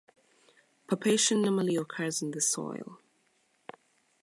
Pupation normally occurs in the soil.